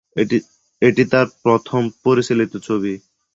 এটি তার প্রথম পরিচালিত ছবি।